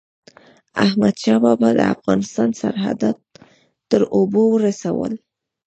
احمدشاه بابا د افغانستان سرحدات تر اوبو ورسول.